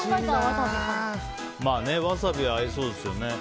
ワサビも合いそうですよね。